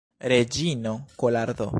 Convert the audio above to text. Reĝino Kolardo!